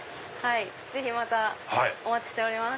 ぜひまたお待ちしております。